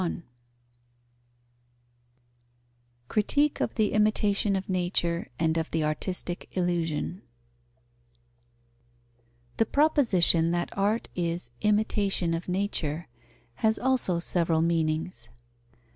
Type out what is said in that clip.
Critique of the imitation of nature and of the artistic illusion. The proposition that art is imitation of nature has also several meanings.